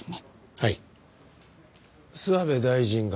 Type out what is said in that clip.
はい。